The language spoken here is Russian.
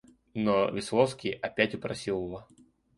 Но Весловский опять упросил его.